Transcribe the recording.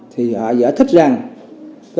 thì họ giải thích rằng